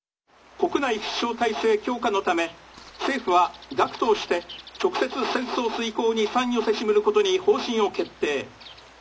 「国内必勝体制強化のため政府は学徒をして直接戦争遂行に参与せしむることに方針を決定」。